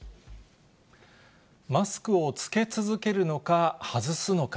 マスクを着け続けるのか、外すのか。